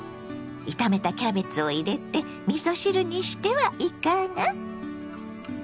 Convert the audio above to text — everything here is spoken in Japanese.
炒めたキャベツを入れてみそ汁にしてはいかが？